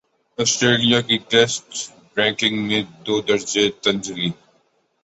Australia کی test ranking میں دو درجہ تنزلی